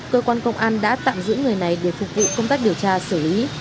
cơ quan công an đã tạm giữ người này để phục vụ công tác điều tra xử lý